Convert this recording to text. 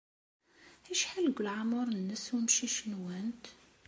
Acḥal deg leɛmeṛ-nnes umcic-nwent?